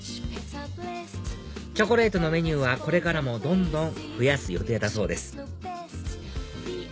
チョコレートのメニューはこれからもどんどん増やす予定だそうです